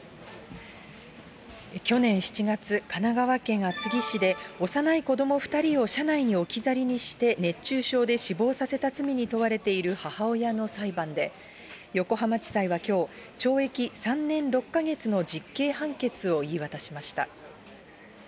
去年７月、神奈川県厚木市で、幼い子ども２人を車内に置き去りにして熱中症で死亡させた罪に問われている母親の裁判で、横浜地裁はきょう、懲役３年６か月の実刑判決を言い渡しました。